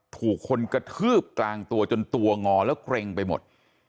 ถูกคนกระทืบกลางตัวจนตัวงอแล้วเกร็งไปหมด